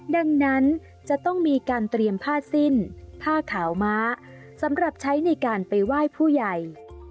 ดังนั้นจะต้องมีการเตรียมผ้าสิ้นผ้าขาวม้าสำหรับใช้ในการไปไหว้ผู้ใหญ่